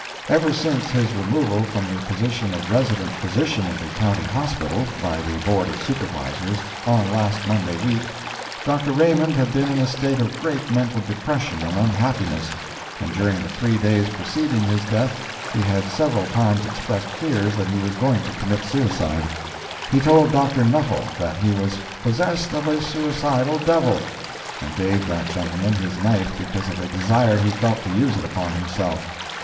Ever since his removal from the position of Resident Physician of the County Hospital, by the Board of Supervisors, on last Monday week, Dr. Raymond had been in a state of great mental depression and unhappiness, and during the three days preceding his death he had several times expressed fears that he was going to commit suicide. He told Dr. Nuttall that he was "possessed of a suicidal devil," and gave that gentleman his knife because of a desire he felt to use it upon himself.